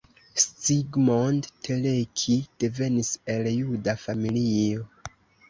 Zsigmond Teleki devenis el juda familio.